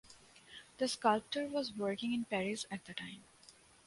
The sculptor was working in Paris at the time.